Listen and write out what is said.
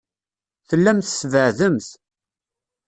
Tellamt tbeɛɛdemt.